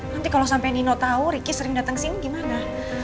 nanti kalau sampai nino tahu ricky sering datang ke sini gimana